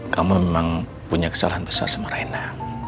kamu memang punya kesalahan besar sama raina